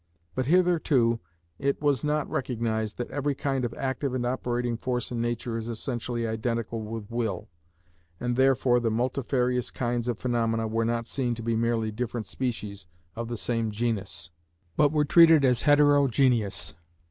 But hitherto it was not recognised that every kind of active and operating force in nature is essentially identical with will, and therefore the multifarious kinds of phenomena were not seen to be merely different species of the same genus, but were treated as heterogeneous.